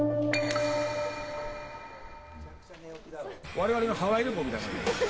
我々のハワイ旅行みたいだ。